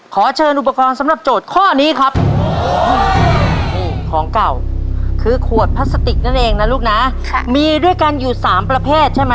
ขอเชิญอุปกรณ์สำหรับโจทย์ข้อนี้ครับ